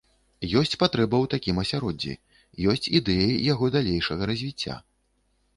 Ёсць патрэба ў такім асяроддзі, ёсць ідэі яго далейшага развіцця.